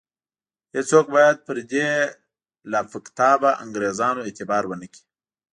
هیڅوک باید پر دې لافکتابه انګرېزانو اعتبار ونه کړي.